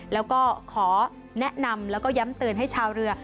แล้วก็ขอแนะนำแล้วก็ย้ำเตือนให้ชาวเรือ